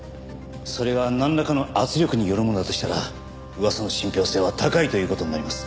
それがなんらかの圧力によるものだとしたら噂の信憑性は高いという事になります。